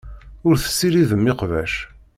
Ur tessiridem iqbac.